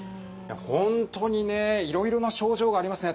本当にねいろいろな症状がありますね